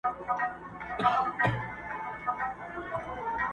کاغذ باد ئې په هوا کړی وو